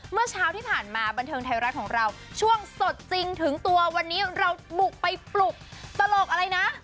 เมื่อเช้าที่ผ่านมาบันเทิงไทยรัฐของเราช่วงสดจริงถึงตัววันนี้เราบุกไปปลุกตลกอะไรนะ